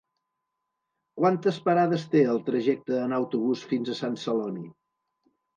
Quantes parades té el trajecte en autobús fins a Sant Celoni?